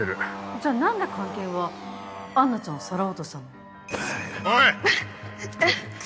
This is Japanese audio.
じゃあ何で菅研はアンナちゃんをさらおうとしたの？